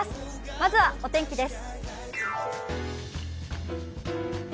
まずはお天気です。